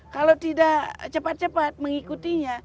kalau tidak cepat cepat mengikutinya